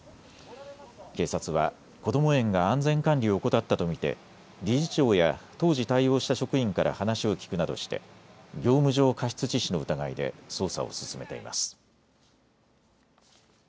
警察はこども園が安全管理を怠ったと見て理事長や当時、対応した職員から話を聴くなどして業務上過失致死の疑いで捜査を進めています。